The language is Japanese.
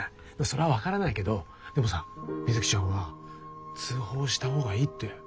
それは分からないけどでもさみづきちゃんは通報したほうがいいって思うでしょ？